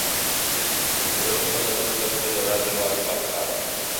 تر یو څه مزل وروسته زه د ژړا دیوال خواته لاړم.